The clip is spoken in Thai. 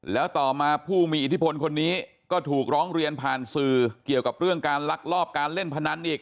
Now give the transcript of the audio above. แล้วต่อมาผู้มีอิทธิพลคนนี้ก็ถูกร้องเรียนผ่านสื่อเกี่ยวกับเรื่องการลักลอบการเล่นพนันอีก